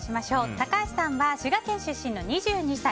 高橋さんは滋賀県出身の２２歳。